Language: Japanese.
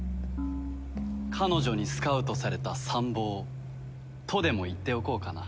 彼女にスカウトされた参謀とでも言っておこうかな。